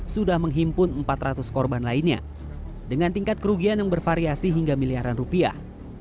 sudah menghimpun empat ratus korban lainnya dengan tingkat kerugian yang bervariasi hingga miliaran rupiah